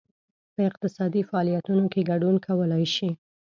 په اقتصادي فعالیتونو کې ګډون کولای شي.